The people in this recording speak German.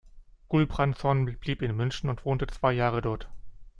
Gulbransson blieb in München und wohnte zwei Jahre dort.